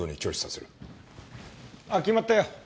あっ決まったよ。